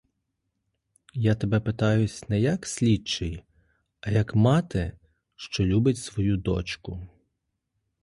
Я тебе питаюсь не як слідчий, а як мати, що любить свою дочку.